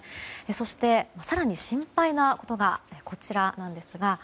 そして、更に心配なことがこちらです。